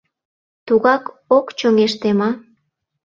Тугак ок чоҥеште ма?